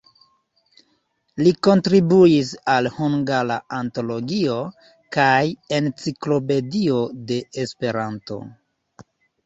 Li kontribuis al "Hungara Antologio" kaj "Enciklopedio de Esperanto".